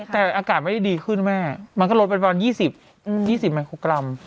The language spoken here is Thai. แต่อากาศไม่ได้ดีขึ้นแม่มันก็ลดเป็นประมาณ๒๐๒๐ไมโครกรัม